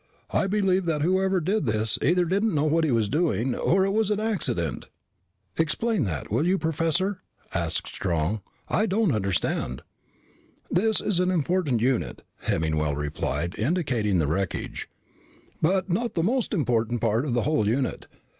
"I believe that whoever did this either didn't know what he was doing, or it was an accident." "Explain that, will you, Professor?" asked Strong. "I don't understand." "This is an important unit," Hemmingwell replied, indicating the wreckage, "but not the most important part of the whole unit.